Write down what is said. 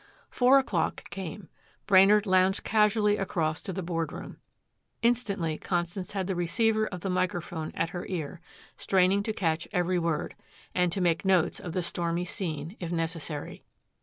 Four o'clock came. Brainard lounged casually across to the board room. Instantly Constance had the receiver of the microphone at her ear, straining to catch every word, and to make notes of the stormy scene, if necessary.